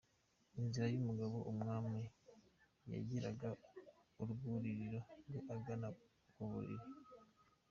Inzira y’umugabo, umwami yagiraga urwuririro rwe agana ku buriri.